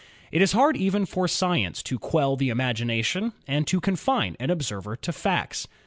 It is hard even for science to quell the imagination and to confine an observer to facts.